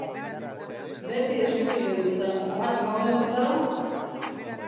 Beti eskutik helduta, bart gauean bezala?